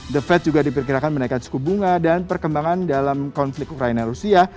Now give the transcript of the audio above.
the fed juga diperkirakan menaikkan suku bunga dan perkembangan dalam konflik ukraina rusia